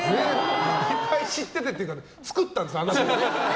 いっぱい知っているっていうか作ったんです、あなたがね。